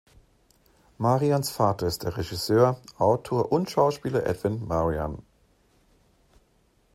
Marians Vater ist der Regisseur, Autor und Schauspieler Edwin Marian.